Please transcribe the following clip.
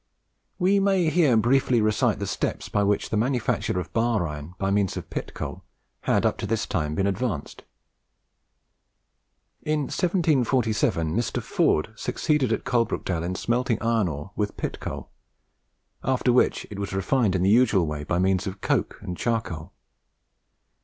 We may here briefly recite the steps by which the manufacture of bar iron by means of pit coal had up to this time been advanced. In 1747, Mr. Ford succeeded at Coalbrookdale in smelting iron ore with pit coal, after which it was refined in the usual way by means of coke and charcoal.